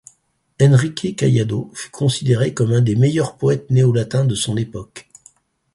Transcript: Henrique Caiado fut considéré comme un des meilleurs poètes néolatins de son époque.